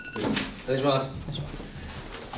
お願いします。